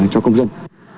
cho công dân